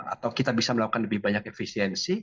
atau kita bisa melakukan lebih banyak efisiensi